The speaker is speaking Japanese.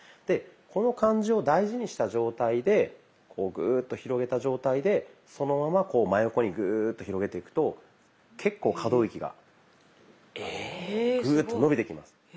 でこの感じを大事にした状態でこうグーッと広げた状態でそのままこう真横にグーッと広げていくと結構可動域がグーッと伸びてきます。